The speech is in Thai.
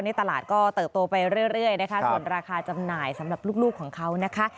ในตลาดก็เติบโตไปเรื่อยนะคะส่วนราคาจำหน่ายสำหรับลูกของเขานะคะ